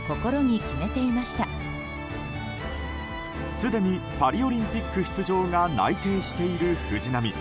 すでにパリオリンピック出場が内定している藤波。